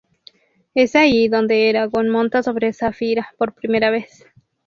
Es allí donde Eragon monta sobre Saphira por primera vez.